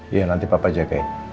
iya nanti papa jagain